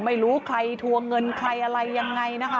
ไม่รู้ใครถั่วเงินใครอะไรอย่างไรนะคะ